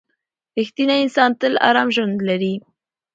• رښتینی انسان تل ارام ژوند لري.